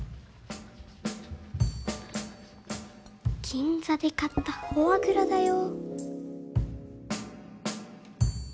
銀座で買ったフォアグラだよ。